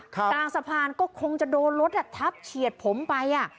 กลางสะพานก็คงจะโดนรถทับเฉียดผมไปอ่ะ